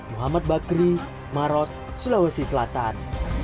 muhammad bakri maros sulawesi selatan